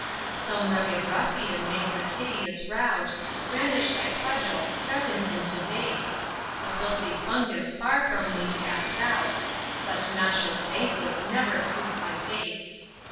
Some rugged ruffian makes a hideous rout— Brandish thy cudgel, threaten him to baste; The filthy fungus far from thee cast out; Such noxious banquets never suit my taste.